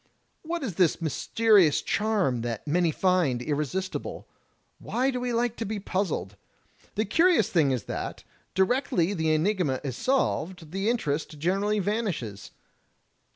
What is this mysterious charm that many find irresistible? Why do we like to be puzzled? The curious thing is that directly the enigma is solved the interest generally vanishes.